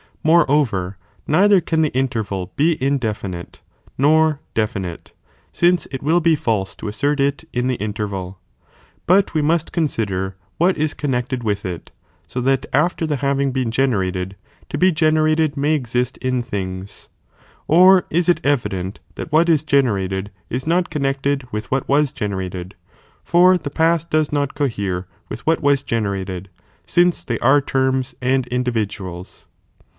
Moreover neither can the interval § be indefinite, nor definite," since it will ^ Between the be false to assert it in the interval ;' but wo must P"' »^ f" consider what is connected with it, so that al^er the having been generated, to be generated may exist in things.* Or is it evident that what is generated is not connected with what was generated ? for the pai^t does not cohere with what was generated, since they are terms and individuals.